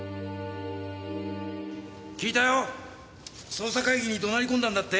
聞いたよ。捜査会議に怒鳴り込んだんだって？